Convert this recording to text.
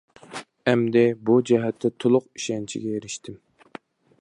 ئەمدى بۇ جەھەتتە تولۇق ئىشەنچكە ئېرىشتىم.